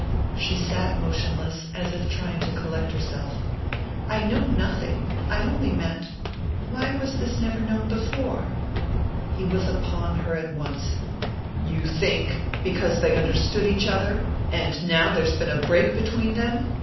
She sat motionless, as if trying to collect herself. "I know nothing I only meant why was this never known before?" He was upon her at once. "You think because they understood each other? And now there's been a break between them?